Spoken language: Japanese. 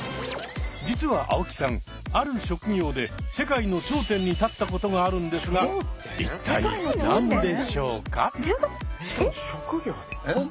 実は青木さんある職業で世界の頂点に立ったことがあるんですが一体何でしょうか？